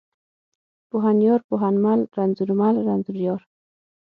پوهنيار، پوهنمل، رنځورمل، رنځوریار.